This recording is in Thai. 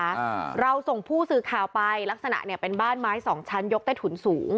อ่าเราส่งผู้สื่อข่าวไปลักษณะเนี้ยเป็นบ้านไม้สองชั้นยกใต้ถุนสูง